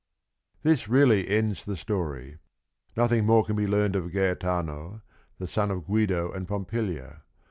This really ends the story. Nothing more can be learned of Gaetano, the son of Guido and Pompilia.